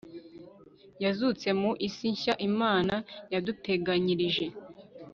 yazutse mu isi nshya imana yaduteganyirije